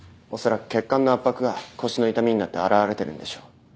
おそらく血管の圧迫が腰の痛みになって表れてるんでしょう。